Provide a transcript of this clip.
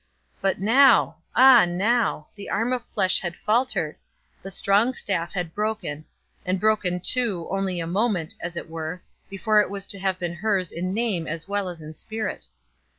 But now, ah now, the arm of flesh had faltered, the strong staff had broken, and broken, too, only a moment, as it were, before it was to have been hers in name as well as in spirit.